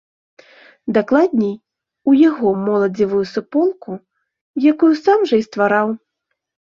Дакладней, у яго моладзевую суполку, якую сам жа і ствараў.